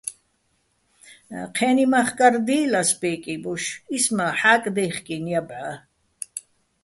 ჴე́ნი მახკარ დი́ლ ას ბე́კი ბოშ, ის მა́ ჰ̦აკდე́ხკინო̆ ჲა ბჵა́.